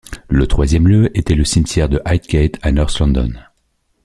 Le troisième lieu était le cimetière de Highgate à North London.